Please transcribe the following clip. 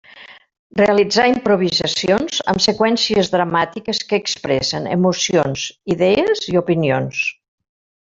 Realitzar improvisacions amb seqüències dramàtiques que expressen emocions, idees i opinions.